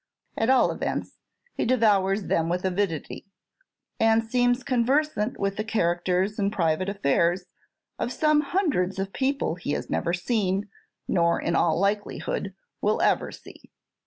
At all events, he devours them with avidity, and seems conversant with the characters and private affairs of some hundreds of people he has never seen, nor in all likelihood will ever see!